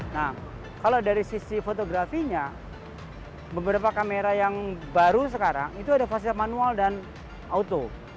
nah kalau dari sisi fotografinya beberapa kamera yang baru sekarang itu ada fase manual dan auto